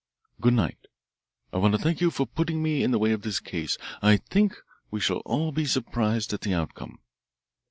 Good night. I want to thank you for putting me in the way of this case. I think we shall all be surprised at the outcome."